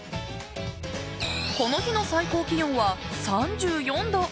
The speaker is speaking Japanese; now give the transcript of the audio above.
この日の最高気温は３４度。